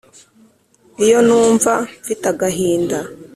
Iyo numva mfite agahinda